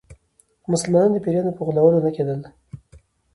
مسلمانانو د پیرانو په غولولو نه کېدل.